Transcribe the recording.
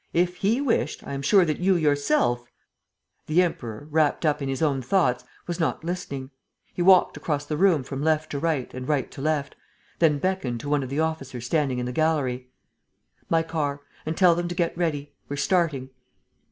If 'he' wished, I am sure that you yourself ..." The Emperor, wrapped up in his own thoughts, was not listening. He walked across the room from left to right and right to left, then beckoned to one of the officers standing in the gallery: "My car. ... And tell them to get ready. ... We're starting."